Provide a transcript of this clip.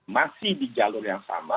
masih di jalur yang sama